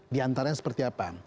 di antaranya seperti apa